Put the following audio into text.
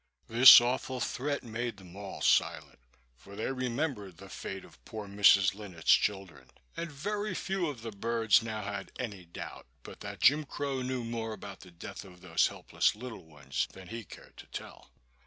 This awful threat made them all silent, for they remembered the fate of poor Mrs. Linnet's children, and very few of the birds now had any doubt but that Jim Crow knew more about the death of those helpless little ones than he cared to tell.